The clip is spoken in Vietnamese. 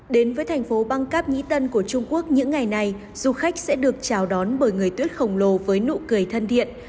đến với thành phố bangkop nhĩ tân của trung quốc những ngày này du khách sẽ được chào đón bởi người tuyết khổng lồ với nụ cười thân thiện